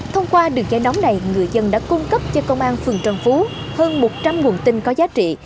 thông qua đường dây nóng này người dân đã cung cấp cho công an phường trần phú hơn một trăm linh nguồn tin có giá trị